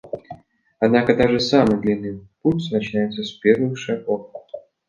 Однако даже самый длинный путь начинается с первых шагов.